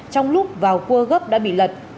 trong lúc vào cua gấp đã bị lật